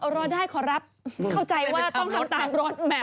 รอได้ขอรับเข้าใจว่าต้องทำตามรถแหม